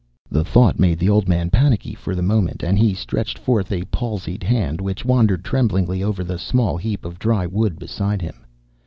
The thought made the old man panicky for the moment, and he stretched forth a palsied hand which wandered tremblingly over the small heap of dry wood beside him.